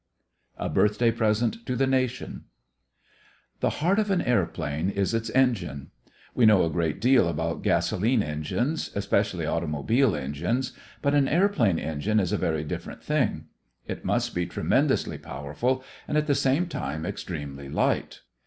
A BIRTHDAY PRESENT TO THE NATION The heart of an airplane is its engine. We know a great deal about gasolene engines, especially automobile engines; but an airplane engine is a very different thing. It must be tremendously powerful, and at the same time extremely light.